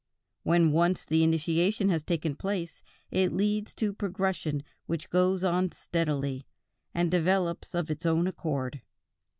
When once the initiation has taken place, it leads to progression which goes on steadily, and develops of its own accord.